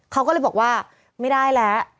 เขาก็เลยบอกว่าไม่ได้แล้ว